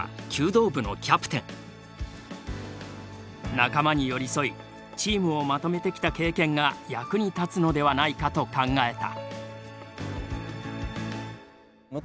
仲間に寄り添いチームをまとめてきた経験が役に立つのではないかと考えた。